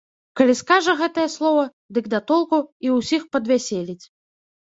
Калі скажа гэтае слова, дык да толку і ўсіх падвяселіць.